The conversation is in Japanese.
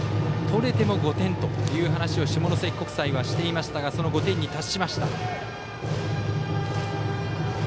取れても５点という話を下関国際はしていましたがその５点に達しました。